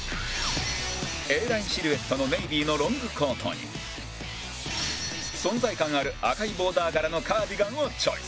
Ａ ラインシルエットのネイビーのロングコートに存在感ある赤いボーダー柄のカーディガンをチョイス